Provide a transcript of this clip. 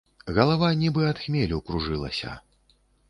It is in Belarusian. Галава, нібы ад хмелю, кружылася.